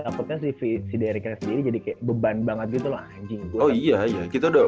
takutnya si derikinnya sendiri jadi kayak beban banget gitu loh anjing